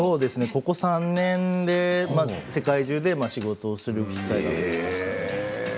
ここ３年で世界中で仕事をするようになりました。